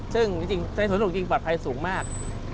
ซึ่งในสนสนุกจริงปลอดภัยสูงมาก